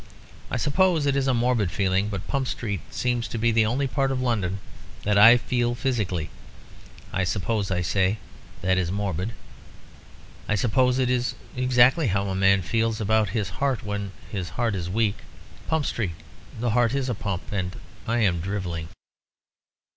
I suppose it is a morbid feeling; but Pump Street seems to be the only part of London that I feel physically. I suppose, I say, that it is morbid. I suppose it is exactly how a man feels about his heart when his heart is weak. 'Pump Street' the heart is a pump. And I am drivelling.